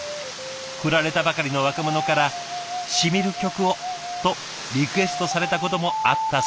フラれたばかりの若者から「しみる曲を」とリクエストされたこともあったそうです。